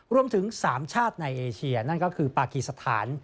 รวมถึง๓ชาติในเอเชียนั่นก็คือปากีสถาน